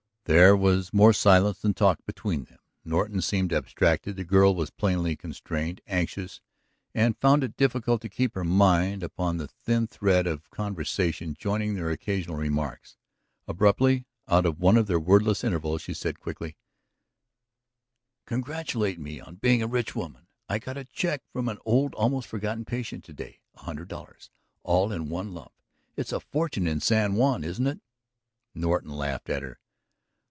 There was more silence than talk between them. Norton seemed abstracted; the girl was plainly constrained, anxious, and found it difficult to keep her mind upon the thin thread of conversation joining their occasional remarks. Abruptly, out of one of their wordless intervals, she said quickly: "Congratulate me on being a rich woman! I got a check from an old, almost forgotten, patient to day. A hundred dollars, all in one lump! It's a fortune in San Juan, isn't it?" Norton laughed with her.